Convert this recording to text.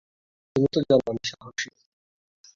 তুমি তো জানো আমি সাহসী।